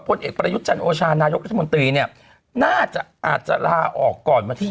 โทษเอ็ดประยุทธ์จันทร์โอชารยกรุ่นนัทหมาตรีเนี่ยน่าจะอาจจะลาออกก่อนมาที่